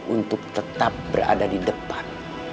untuk tetap berada di depan